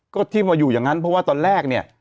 ก็ที่มาอยู่อย่างนั้นเพราะว่าตอนแรกเนี่ย